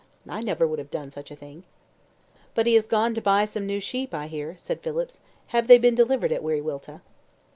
I never would have done such a thing." "But he has gone to buy some new sheep, I hear," said Phillips. "Have they been delivered at Wiriwilta?"